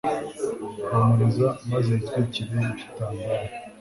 Humiriza, maze witwikire igitambaro